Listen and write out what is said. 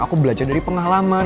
aku belajar dari pengalaman